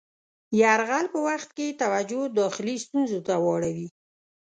یرغل په وخت کې یې توجه داخلي ستونزو ته واړوي.